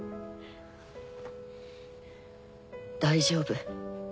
大丈夫。